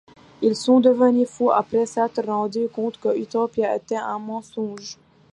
Ils sont devenus fous après s’être rendu-compte que Utopia était un mensonge.